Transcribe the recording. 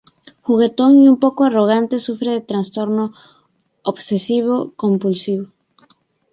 Juguetón y un poco arrogante, sufre de trastorno obsesivo-compulsivo.